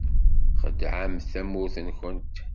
Txedɛemt tamurt-nkent.